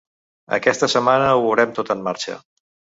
Aquesta setmana ho veurem tot en marxa.